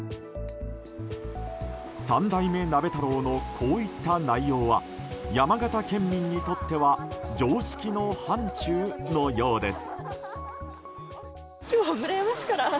太郎のこういった内容は山形県民にとっては常識の範疇のようです。